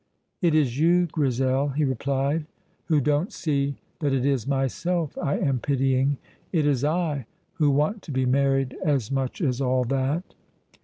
"It is you, Grizel," he replied, "who don't see that it is myself I am pitying. It is I who want to be married as much as all that."